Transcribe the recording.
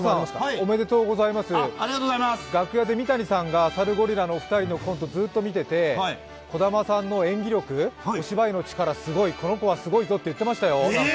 おめでとうございます、楽屋で三谷さんがサルゴリラさんのコントずっと見ていて、児玉さんの演技力お芝居の力、すごい、この子はすごいぞと言ってましたよ。